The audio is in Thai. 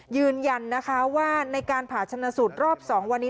ยืนยันนะคะว่าในการผ่าชนะสูตรรอบ๒วันนี้